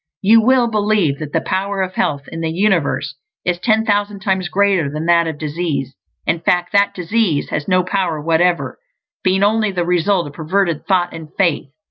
You will believe that the power of health in the universe is ten thousand times greater than that of disease; in fact, that disease has no power whatever, being only the result of perverted thought and faith.